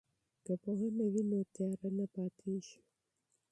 که پوهنه وي نو تیاره نه پاتیږي.